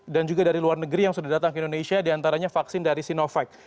dan juga dari luar negeri yang sudah datang ke indonesia diantaranya vaksin dari sinovac